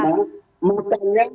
bagaimana ini pak merita